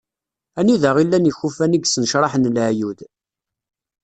Anida i llan yikufan i yesnecraḥen laɛyud.